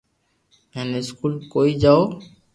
ھين اسڪول ڪوئي جاو